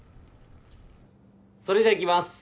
それじゃあいきます。